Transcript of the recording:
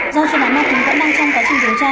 do chuyên án ma túy vẫn đang trong quá trình điều tra